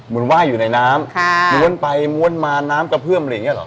ว่ายอยู่ในน้ำม้วนไปม้วนมาน้ำกระเพื่อมอะไรอย่างเงี้เหรอ